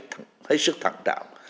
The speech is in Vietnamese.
hết sức thẳng trọng